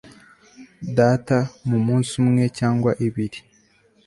data, mumunsi umwe cyangwa ibiri